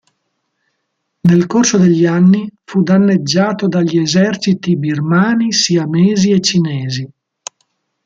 Nel corso degli anni fu danneggiato dagli eserciti birmani, siamesi e cinesi.